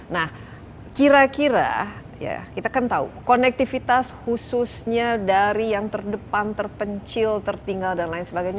nah kira kira ya kita kan tahu konektivitas khususnya dari yang terdepan terpencil tertinggal dan lain sebagainya